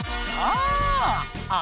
あ！